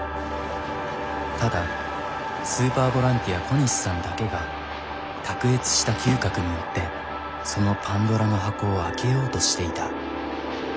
ただスーパーボランティア小西さんだけが卓越した嗅覚によってそのパンドラの箱を開けようとしていた。